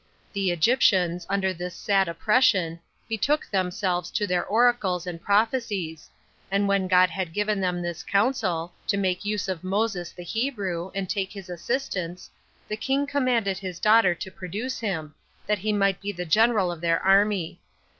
The Egyptians, under this sad oppression, betook themselves to their oracles and prophecies; and when God had given them this counsel, to make use of Moses the Hebrew, and take his assistance, the king commanded his daughter to produce him, that he might be the general 22 of their army.